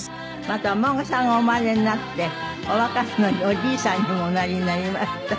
またお孫さんがお生まれになってお若いのにおじいさんにもおなりになりました。